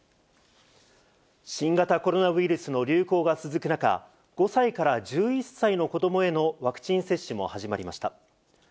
新型コロナウイルスの流行が続く中、５歳から１１歳の子どもへのワクチン接種も始まりました。